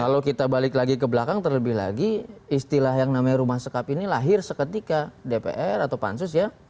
kalau kita balik lagi ke belakang terlebih lagi istilah yang namanya rumah sekap ini lahir seketika dpr atau pansus ya